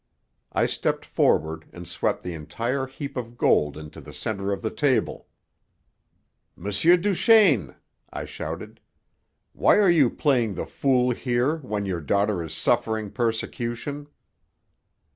I stepped forward and swept the entire heap of gold into the centre of the table. "M. Duchaine!" I shouted. "Why are you playing the fool here when your daughter is suffering persecution?"